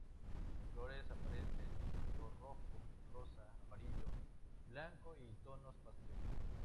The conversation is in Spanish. Las flores aparecen en color rojo, rosa, amarillo, blanco y tonos pastel.